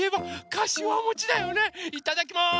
いただきます！